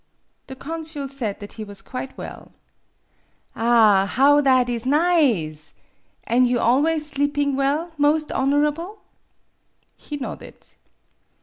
The consul said that he was quite well. " Ah, bow that is nize! An' you always sleeping well, most honorable ?" He nodded.